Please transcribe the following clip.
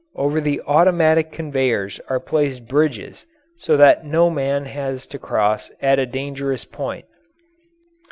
Over the automatic conveyors are placed bridges so that no man has to cross at a dangerous point.